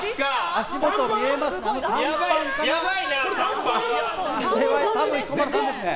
足元見えますかね。